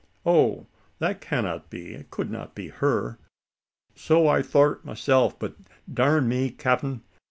"Oh that cannot be? It could not be her?" "So I'd a thort myself; but darn me, capt'n!